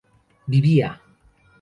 vivía